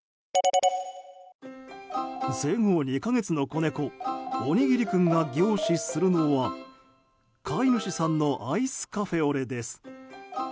生後２か月の子猫おにぎり君が凝視するのは飼い主さんのアイスカフェオレです。